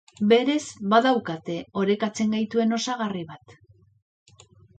Berez badaukate orekatzen gaituen osagarri bat.